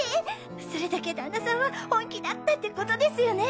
それだけ旦那さんは本気だったってことですよね。